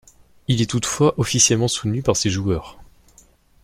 Il est toutefois officiellement soutenu par ses joueurs.